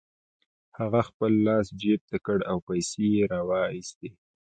هغه خپل لاس جيب ته کړ او پيسې يې را و ايستې.